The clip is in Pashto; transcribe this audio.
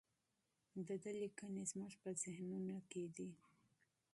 د ده لیکنې زموږ په ذهنونو کې دي.